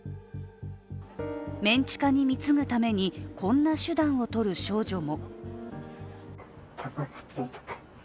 メン地下に貢ぐために、こんな手段を取る少女も。